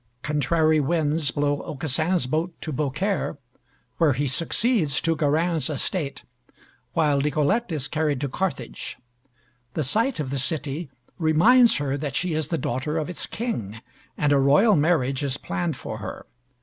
Contrary winds blow Aucassin's boat to Beaucaire, where he succeeds to Garin's estate, while Nicolette is carried to Carthage. The sight of the city reminds her that she is the daughter of its king, and a royal marriage is planned for her.